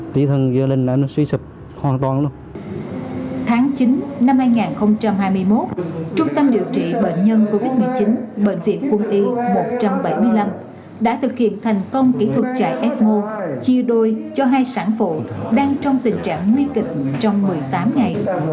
tháng chín năm hai nghìn hai mươi một trung tâm điều trị bệnh nhân covid một mươi chín bệnh viện quân y một trăm bảy mươi năm đã thực hiện thành công kỹ thuật chạy ecmo chia đôi cho hai sản phụ đang trong tình trạng nguy kịch trong một mươi tám ngày